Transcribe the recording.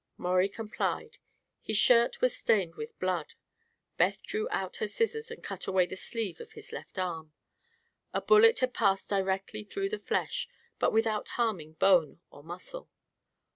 Maurie complied. His shirt was stained with blood. Beth drew out her scissors and cut away the sleeve of his left arm. A bullet had passed directly through the flesh, but without harming bone or muscle.